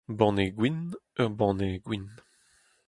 banne gwin, ur banne gwin